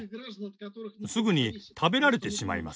すぐに食べられてしまいます。